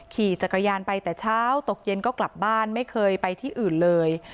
ขี่จักรยานไปแต่เช้าตกเย็นก็กลับบ้านไม่เคยไปที่อื่นเลย